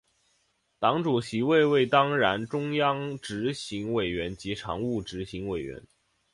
党主席为为当然中央执行委员及常务执行委员。